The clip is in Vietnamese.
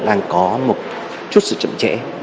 đang có một chút sự chậm chẽ